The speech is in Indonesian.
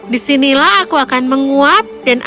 disinilah aku akan menguap dan aku akan naik ke atmosfer